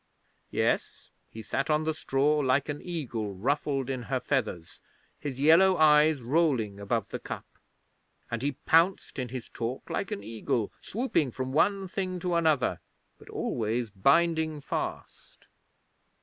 Yes, he sat on the straw like an eagle ruffled in her feathers, his yellow eyes rolling above the cup, and he pounced in his talk like an eagle, swooping from one thing to another, but always binding fast.